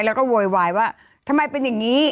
แล้วก็โวยวายว่าทำไมเป็นอย่างนี้